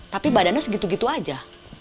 tapi badannya segitu gitu aja